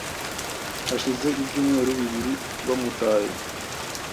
hashize ibyumweru bibiri bamutaye,